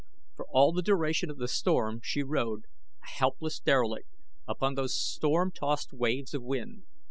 For all the duration of the storm she rode, a helpless derelict, upon those storm tossed waves of wind.